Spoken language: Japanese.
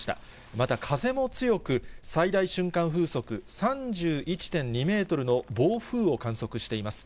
また風も強く、最大瞬間風速３１．２メートルの暴風を観測しています。